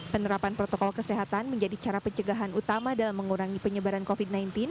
penerapan protokol kesehatan menjadi cara pencegahan utama dalam mengurangi penyebaran covid sembilan belas